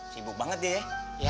sibuk banget dia ya